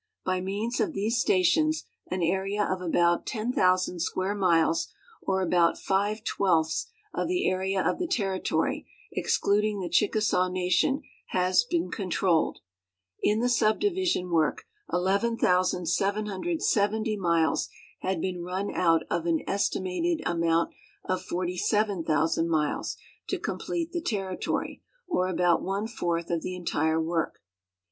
By means of these stations an area of about 10,000 square miles, or aI)out five twelfths of the area of the Territory, excluding the Chicka saw nation, has been controlled. In the subdivison work 11,770 miles had been run out of an estimated amount of 47,000 miles to complete the Territory, or about one fourth of the entire work.